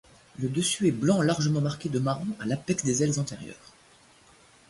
Le dessus est blanc largement marqué de marron à l'apex des ailes antérieures.